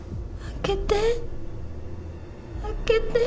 開けて。